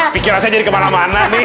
pikiran saya jadi kemana mana nih